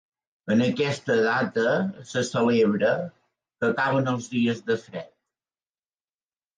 En aquesta data se celebra que acaben els dies de fred.